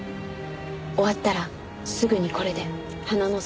終わったらすぐにこれで花の里に連絡して。